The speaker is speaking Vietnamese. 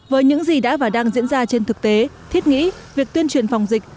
với những gì đã và đang diễn ra trên thực tế thiết nghĩ việc tuyên truyền phòng dịch